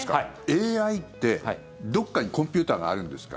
ＡＩって、どこかにコンピューターがあるんですか？